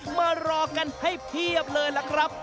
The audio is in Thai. มารอกันให้เพียบเลยล่ะครับ